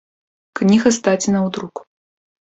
Кніга здадзена ў друк.